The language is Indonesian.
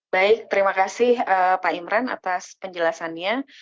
baik terima kasih pak imran atas penjelasannya